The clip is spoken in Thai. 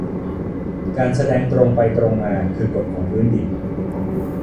การแสดงตรงไปตรงมาคือกฎของพื้นดิน